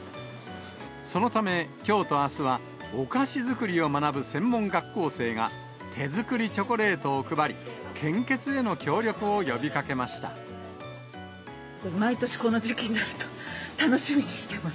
そのため、きょうとあすは、お菓子作りを学ぶ専門学校生が、手作りチョコレートを配り、毎年この時期になると、楽しみにしてます。